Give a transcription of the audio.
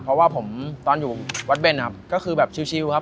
เพราะว่าผมตอนอยู่วัดเบนครับก็คือแบบชิลครับ